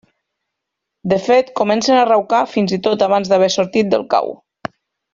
De fet, comencen a raucar fins i tot abans d'haver sortit del cau.